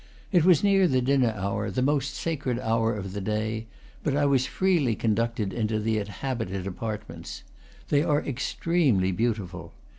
It was near the dinner hour, the most sacred hour of the day; but I was freely conducted into the inhabited apartments. They are extremely beautiful.